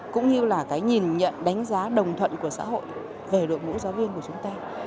cũng như là cái nhìn nhận đánh giá đồng thuận của xã hội về đội ngũ giáo viên của chúng ta